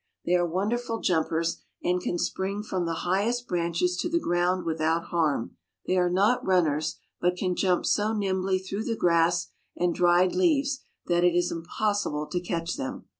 They are wonderful jumpers, and can spring from the highest branches to the ground without harm. They are not runners, but can jump so nimbly through the grass and dried leaves that it is impossible to catch them.